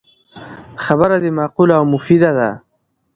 خبره دی معقوله او مفیده ده